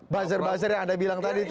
buzzer buzzer yang anda bilang tadi itu ya